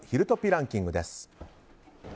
ランキングです。